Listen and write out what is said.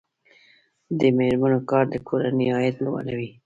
د میرمنو کار د کورنۍ عاید لوړوي.